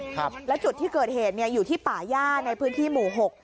ครับแล้วจุดที่เกิดเหตุเนี่ยอยู่ที่ป่าย่าในพื้นที่หมู่หก